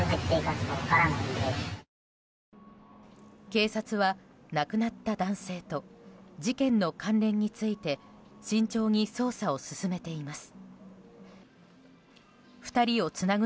警察は、亡くなった男性と事件の関連について慎重に捜査を進めています。